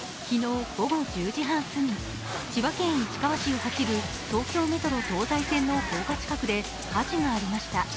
昨日午後１０時半過ぎ、千葉県市川市の東京メトロ東西線の高架近くで火事がありました。